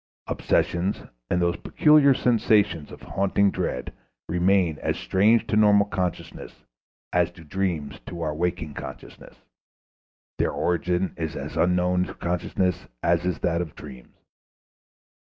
Obsessions and those peculiar sensations of haunting dread remain as strange to normal consciousness as do dreams to our waking consciousness; their origin is as unknown to consciousness as is that of dreams.